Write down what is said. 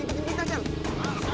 putan dia tanya